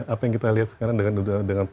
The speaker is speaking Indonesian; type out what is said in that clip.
apa yang kita lihat sekarang dengan